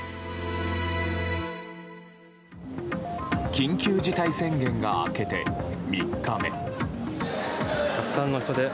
緊急事態宣言が明けて３日目。